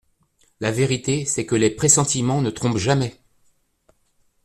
La vérité, c'est que les pressentiments ne trompent jamais.